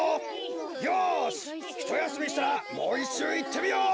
よしひとやすみしたらもういっしゅういってみよう！